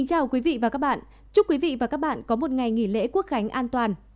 xin chào quý vị và các bạn chúc quý vị và các bạn có một ngày nghỉ lễ quốc khánh an toàn